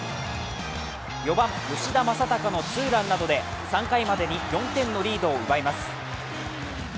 ４番・吉田正尚のツーランなどで３回までに４点のリードを奪います。